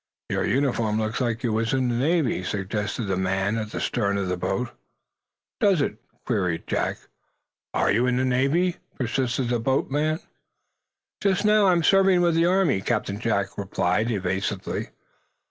"Your uniform looks like you was in the Navy?" suggested the man at the stern of the boat. "Does it?" queried Jack. "Are you in the Navy?" persisted the boat man. "Just now, I'm serving with the Army," Captain Jack replied, evasively.